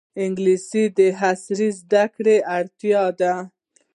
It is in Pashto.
انګلیسي د عصري زده کړو اړتیا ده